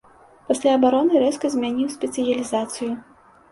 Пасля абароны рэзка змяніў спецыялізацыю.